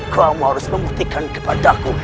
kamu harus membuktikan kepadaku